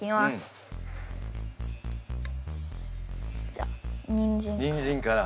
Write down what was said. じゃあにんじんから。